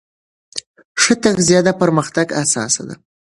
ښه تغذیه د پرمختګ اساس ده.